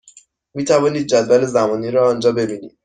می توانید جدول زمانی را آنجا ببینید.